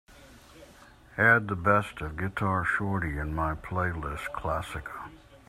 add the best of guitar shorty in my playlist clásica